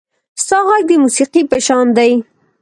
• ستا غږ د موسیقۍ په شان دی.